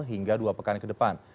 hingga dua pekan ke depan